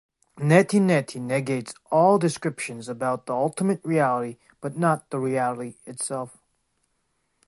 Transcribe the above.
Neti neti negates all descriptions about the Ultimate Reality but not the Reality itself.